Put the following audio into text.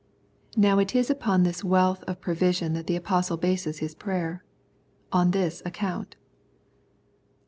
Now it is upon this wealth of provision that the Apostle bases his prayer :" On this account."